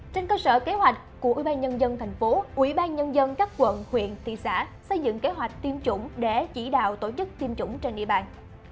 trên cơ sở kế hoạch của ủy ban nhân dân thành phố ủy ban nhân dân các quận huyện thị xã xây dựng kế hoạch tiêm chủng để chỉ đạo tổ chức tiêm chủng trên địa bàn